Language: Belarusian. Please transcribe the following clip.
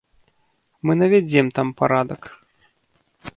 Мы навядзем там парадак.